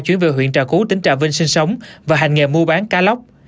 chuyển về huyện trà cú tỉnh trà vinh sinh sống và hành nghề mua bán cá lóc